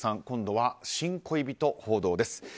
今度は新恋人報道です。